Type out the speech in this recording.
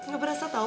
gak berasa tau